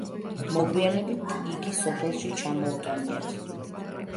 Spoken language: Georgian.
მოგვიანებით იგი სოფელში ჩამოუტანიათ.